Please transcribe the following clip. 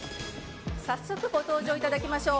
早速ご登場いただきましょう。